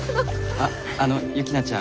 あっあのユキナちゃん